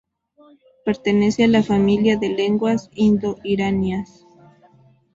Pertenece a la familia de lenguas indo-iranias.